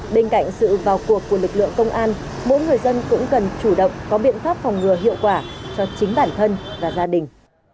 bên cạnh sự vào cuộc của lực lượng công an mỗi người dân cũng cần chủ động có biện pháp phòng ngừa hiệu quả cho chính bản thân và gia đình